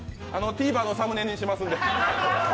ＴＶｅｒのサムネにしますんで。